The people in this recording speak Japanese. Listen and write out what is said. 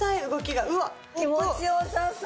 気持ち良さそう。